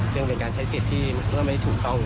ซึ่งเป็นการใช้สิทธิ์ที่เมื่อไม่ถูกต้อง